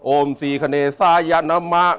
โอมศีขณะสายะนามะ